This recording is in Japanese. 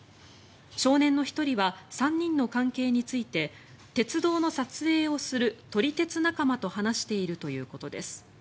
少年の１人は３人の関係について鉄道の撮影をする撮り鉄仲間と話しているということです。